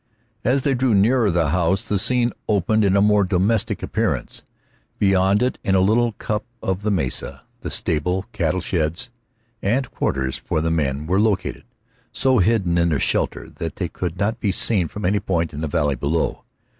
As they drew nearer the house the scene opened in a more domestic appearance. Beyond it in a little cup of the mesa the stable, cattle sheds, and quarters for the men were located, so hidden in their shelter that they could not be seen from any point in the valley below.